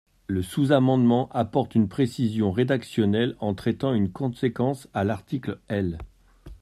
Le sous-amendement apporte une précision rédactionnelle en traitant une conséquence à l’article L.